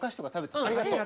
ありがとう。